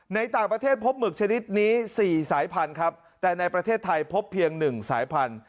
ในต่างประเทศพบหมึกชนิดนี้๔สายพันธุ์ครับแต่ในประเทศไทยพบเพียง๑สายพันธุ